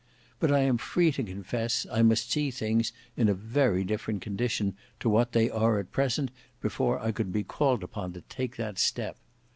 But I am free to confess I must see things in a very different condition to what they are at present before I could be called upon to take that step.